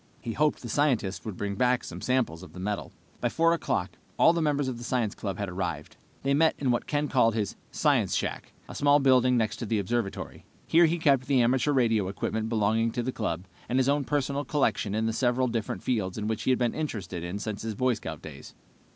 He hoped the scientists would bring back some samples of the metal. By 4 o'clock all the members of the science club had arrived. They met in what Ken called his "science shack," a small building next to the observatory. Here he kept the amateur radio equipment belonging to the club, and his own personal collections in the several different fields in which he had been interested since his Boy Scout days.